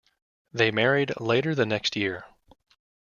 They married later the next year.